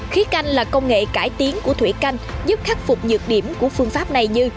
khí canh là công nghệ cải tiến của thủy canh giúp khắc phục nhược điểm của phương pháp này như